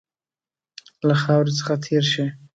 له خاوري څخه تېر شي.